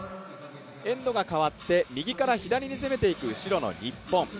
エンドが変わって右から左に攻めていく白の日本。